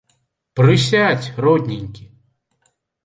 Прысядзь, родненькі.